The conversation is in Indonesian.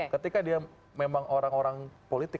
ketika dia memang orang orang politik